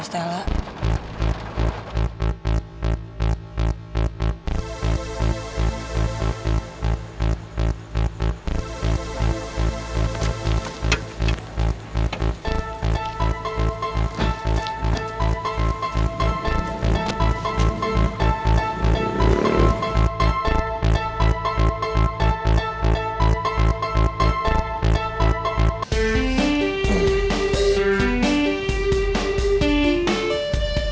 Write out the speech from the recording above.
pasti ada bikin adhd